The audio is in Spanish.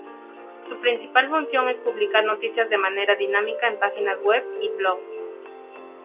Su principal función es publicar noticias de manera dinámica en páginas web y blogs.